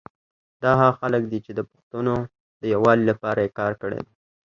دا هغه خلګ دي چي د پښتونو د یوالي لپاره یي کار کړي دی